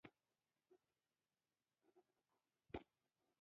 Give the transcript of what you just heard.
د مهاجرینو راستنیدل اقتصاد ته ګټه لري؟